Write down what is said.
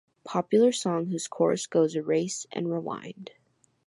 Popular song whose chorus goes ‘erase and rewind.